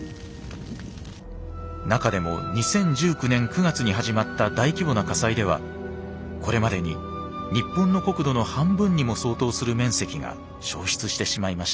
中でも２０１９年９月に始まった大規模な火災ではこれまでに日本の国土の半分にも相当する面積が焼失してしまいました。